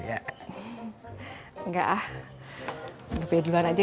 enggak ah ba be duluan aja ya